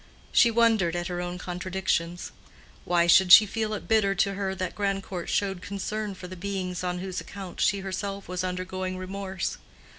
She wondered at her own contradictions. Why should she feel it bitter to her that Grandcourt showed concern for the beings on whose account she herself was undergoing remorse?